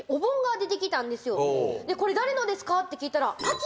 これ誰のですか？って聞いたら。